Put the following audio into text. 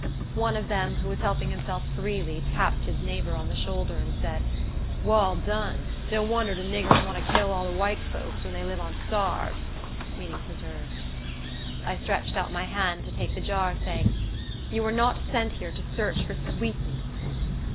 One of them, who was helping himself freely, tapped his neighbor on the shoulder, and said, "Wal done! Don't wonder de niggers want to kill all de white folks, when dey live on 'sarves" [meaning preserves]. I stretched out my hand to take the jar, saying, "You were not sent here to search for sweetmeats."